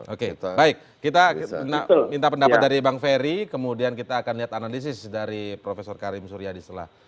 oke baik kita minta pendapat dari bang ferry kemudian kita akan lihat analisis dari prof karim suryadi setelah